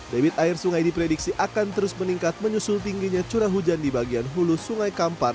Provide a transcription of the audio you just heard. debit air sungai diprediksi akan terus meningkat menyusul tingginya curah hujan di bagian hulu sungai kampar